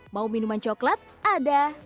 mau minuman coklat ada